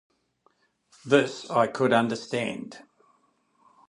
This I could understand.